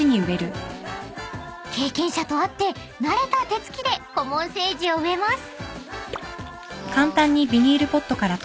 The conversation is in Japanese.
［経験者とあって慣れた手つきでコモンセージを植えます］